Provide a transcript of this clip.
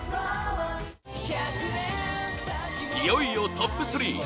いよいよトップ３！